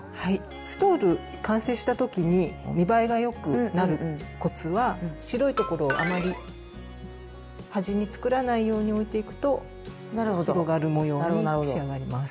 ストール完成した時に見栄えがよくなるコツは白いところをあまり端に作らないように置いていくと広がる模様に仕上がります。